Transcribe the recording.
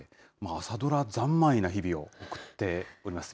朝ドラ三昧な日々を送っております。